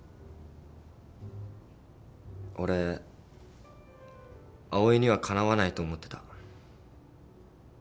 俺葵にはかなわないと思ってた。